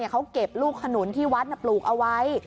เขาเก็บลูกขนุนที่วัดปลูกเอาไว้